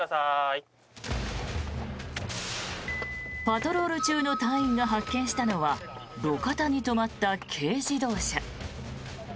パトロール中の隊員が発見したのは路肩に止まった軽自動車。